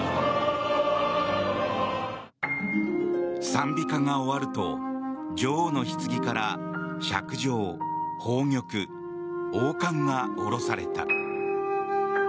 賛美歌が終わると女王のひつぎからしゃく杖、宝玉、王冠が下ろされた。